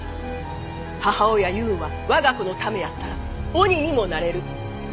母親いうんは我が子のためやったら鬼にもなれる。